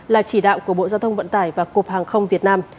là chỉ đạo của bộ giao thông vận tải và cục hàng không việt nam